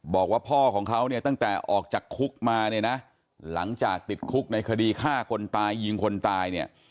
บอกว่าพ่อของเขาตั้งแต่ออกจากคุกมาหลังจากติดคุกในคดีฆ่าคนตายยิงคนตาย